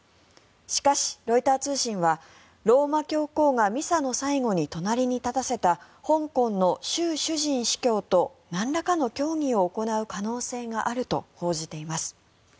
しかし、ロイター通信はローマ教皇がミサの最後に隣に立たせた香港のシュウ・シュジン司教となんらかの協議を行う可能性があると報じています。